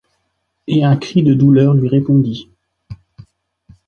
et un cri de douleur lui répondit.